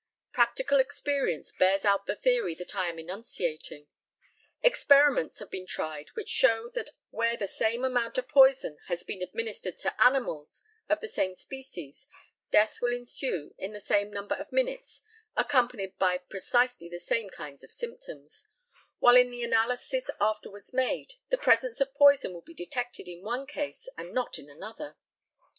Practical experience bears out the theory that I am enunciating. Experiments have been tried which show that where the same amount of poison has been administered to animals of the same species death will ensue in the same number of minutes, accompanied by precisely the same kinds of symptoms; while in the analysis afterwards made, the presence of poison will be detected in one case and not in another.